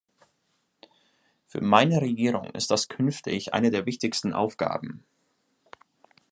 Für meine Regierung ist das künftig eine der wichtigsten Aufgaben.